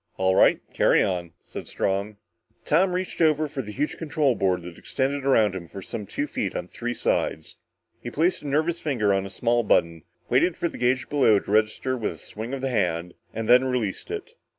"All right, carry on," said Strong. Tom reached over the huge control board that extended around him for some two feet on three sides. He placed a nervous finger on a small button, waited for the gauge below to register with a swing of the hand, and then released it.